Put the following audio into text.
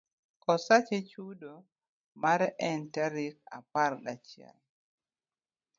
Osache chudo mare ne en tara apar ga chiel.